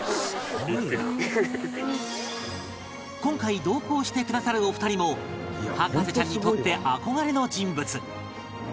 今回同行してくださるお二人も博士ちゃんにとって憧れの人物